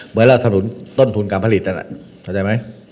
เมื่อแล้วชำระต้นทุนการผลิตนั่นแหละเข้าใจไหม